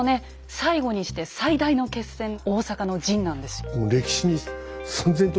最後にして最大の決戦大坂の陣なんですよ。